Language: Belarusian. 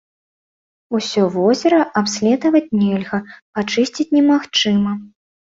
Усё возера абследаваць нельга, пачысціць немагчыма.